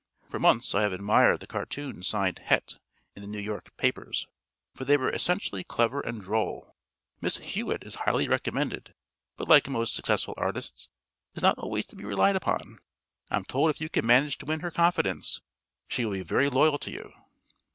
For months I have admired the cartoons signed 'Het' in the New York papers, for they were essentially clever and droll. Miss Hewitt is highly recommended but like most successful artists is not always to be relied upon. I'm told if you can manage to win her confidence she will be very loyal to you."